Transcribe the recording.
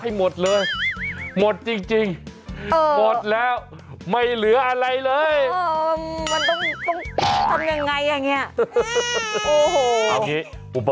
ไปดูเรื่องราวของคุณพ่อบ้านกันบ้างดีกว่า